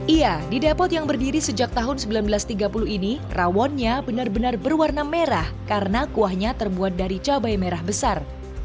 iya di depot yang berdiri sejak tahun seribu sembilan ratus tiga puluh ini rawonnya benar benar berwarna merah karena kuahnya terbuat dari cabai merah besar